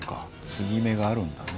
継ぎ目があるんだね。